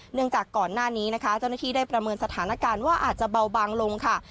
จากก่อนหน้านี้นะคะเจ้าหน้าที่ได้ประเมินสถานการณ์ว่าอาจจะเบาบางลงค่ะ